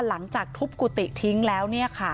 หลังจากทุบกุฏิทิ้งแล้ว